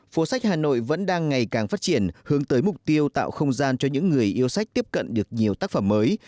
phố sách hà nội vẫn đang ngày càng phát triển hướng tới mục tiêu tạo không gian cho những người yêu sách tiếp cận được nhiều tác phẩm mới